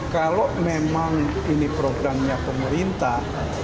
kalau memang ini programnya pemerintah